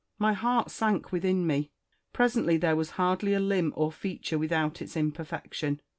My heart sank within me. Presently there was hardly a limb or feature without its imperfection.